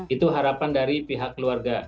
itu harapan dari pihak keluarga